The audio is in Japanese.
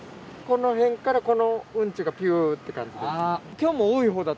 この辺からこのうんちがぴゅーって感じで。